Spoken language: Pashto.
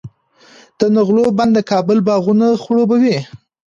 د نغلو بند د کابل باغونه خړوبوي.